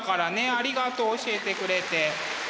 ありがとう教えてくれて。